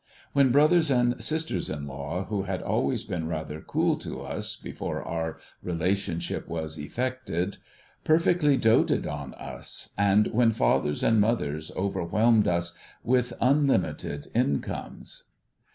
When brothers and sisters in law who had always been rather cool to us before our relationship was eftccted, perfectly doted on us, and when fathers and mothers overwhelmed us with unlimited incomes